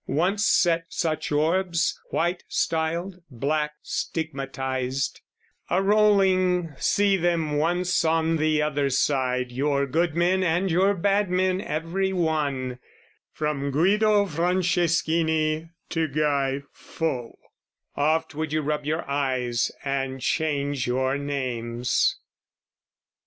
Once set such orbs, white styled, black stigmatised, A rolling, see them once on the other side Your good men and your bad men every one, From Guido Franceschini to Guy Faux, Oft would you rub your eyes and change your names.